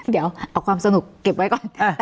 เดี๋ยวเอาความสนุกเก็บไว้ก่อน